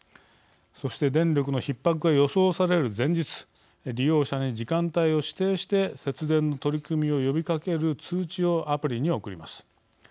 そして電力のひっ迫が予想される前日利用者に時間帯を指定して節電の取り組みを呼びかける通知をアプリに送ります。